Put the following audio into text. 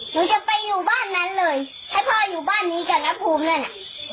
หนูจะไปอยู่บ้านนั้นเลยให้พ่ออยู่บ้านนี้กับน้าภูมินั่นน่ะ